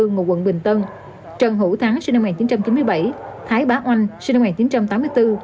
ngụ quận bình tân trần hữu thắng sinh năm một nghìn chín trăm chín mươi bảy thái bá oanh sinh năm một nghìn chín trăm tám mươi bốn